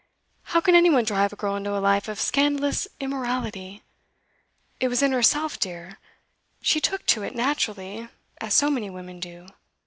'How can any one drive a girl into a life of scandalous immorality? It was in herself, dear. She took to it naturally, as so many women do.